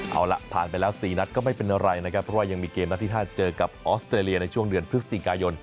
เอาล่ะผ่านไปแล้ว๔นัดก็ไม่เป็นอะไรนะครับเพราะว่ายังมีเกมนัดที่๕เจอกับออสเตรเลียในช่วงเดือนพฤศจิกายน